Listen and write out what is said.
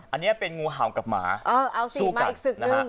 อันนี้เป็นงูเห่ากับหมาสู้กัน